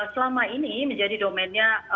selama ini menjadi domennya